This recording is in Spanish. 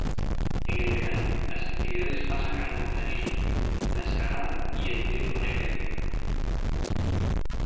En el verano, las actividades pasan al montañismo, la escalada y el turismo recreativo.